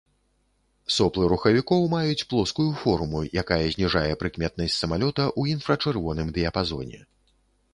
Соплы рухавікоў маюць плоскую форму, якая зніжае прыкметнасць самалёта ў інфрачырвоным дыяпазоне.